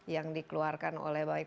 yang dikeluarkan oleh baik